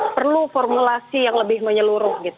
perlu formulasi yang lebih menyeluruh